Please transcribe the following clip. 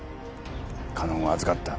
かのんは預かった。